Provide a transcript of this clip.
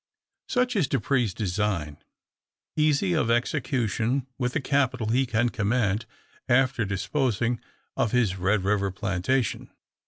Such is Dupre's design, easy of execution with the capital he can command after disposing of his Red River plantation.